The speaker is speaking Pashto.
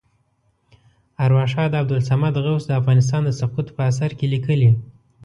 ارواښاد عبدالصمد غوث د افغانستان د سقوط په اثر کې لیکلي.